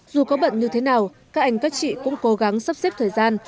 dù có bận như thế nào các anh các chị cũng cố gắng sắp xếp thời gian